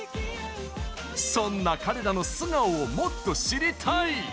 そんな彼らの素顔をもっと知りたい！